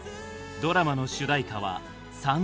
ドラマの主題歌は「燦燦」。